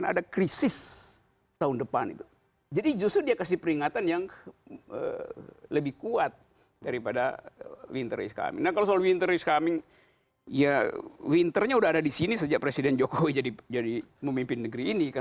saya bisa dan banyak masyarakat bisa membacanya sebagai pesan politik itu dari para capres yang